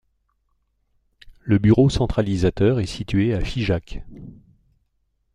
Le bureau centralisateur est situé à Figeac.